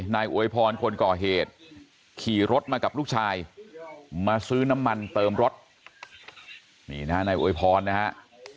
อวยพรคนก่อเหตุขี่รถมากับลูกชายมาซื้อน้ำมันเติมรถนี่นะฮะนายอวยพรนะฮะ